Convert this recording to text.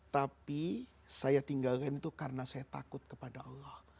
tapi saya tinggalkan itu karena saya takut kepada allah